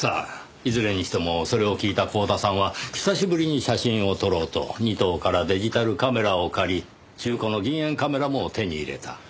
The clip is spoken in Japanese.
いずれにしてもそれを聞いた光田さんは久しぶりに写真を撮ろうと仁藤からデジタルカメラを借り中古の銀塩カメラも手に入れた。